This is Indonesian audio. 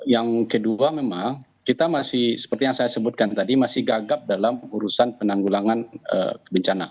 yang kedua memang kita masih seperti yang saya sebutkan tadi masih gagap dalam urusan penanggulangan bencana